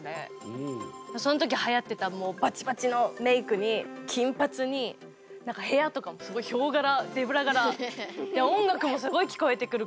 そん時はやってたもうバチバチのメークに金髪に何か部屋とかもすごいヒョウ柄ゼブラ柄で音楽もすごい聞こえてくるガンガンみたいな。